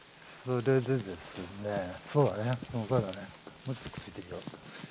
もうちょっとくっついていいよ。